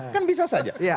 kan bisa saja nah